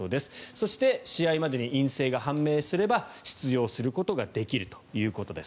そして試合までに陰性が判明すれば出場することができるということです。